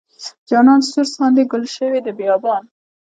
جانان سور ساندې ګل شوې د بیابان.